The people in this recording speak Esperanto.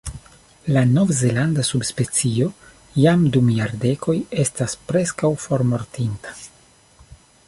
La Nov-Zelanda subspecio jam dum jardekoj estas preskaŭ formortinta.